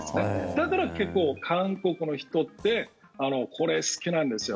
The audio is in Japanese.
だから結構、韓国の人ってこれ、好きなんですよ。